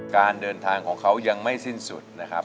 การเดินทางของเขายังไม่สิ้นสุดนะครับ